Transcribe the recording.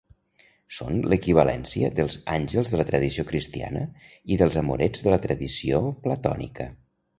Són l'equivalència dels àngels de la tradició cristiana i dels amorets de la tradició platònica.